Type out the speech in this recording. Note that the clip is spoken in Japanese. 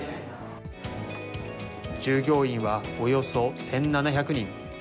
従業員はおよそ１７００人。